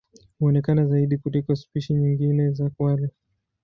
Huonekana zaidi kuliko spishi nyingine za kwale.